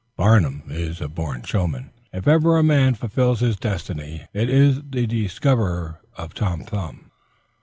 Barnum is a born showman. If ever a man fulfills his destiny, it is the discoverer of Tom Thumb.